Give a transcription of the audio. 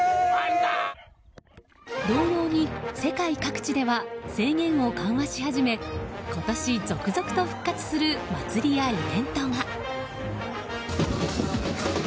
同様に世界各地では制限を緩和し始め今年、続々と復活する祭りやイベントが。